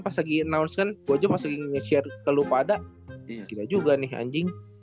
pas lagi announce kan gua juga pas lagi nge share ke lu pada gila juga nih anjing